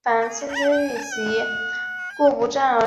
组态态函数。